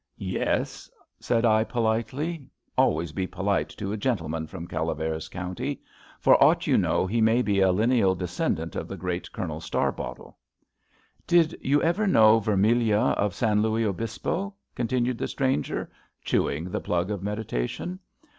^* Yes? '' said I politely. Always be polite to a gentleman from Calaveras County. For aught you know he may be a lineal descendant of the great Colonel Starbottle. Did you ever know Vermilyea of San Luis Obispo? " continued the stranger, chewing the plug of meditation.